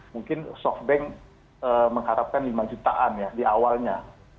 mungkin softbank mengharapkan lima jutaan ya di awalnya